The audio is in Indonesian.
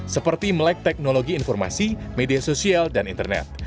seperti melek teknologi informasi media sosial dan internet